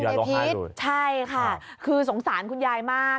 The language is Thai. ยายพิษใช่ค่ะคือสงสารคุณยายมาก